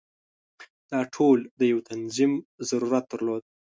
دا ټول د یو تنظیم ضرورت درلود.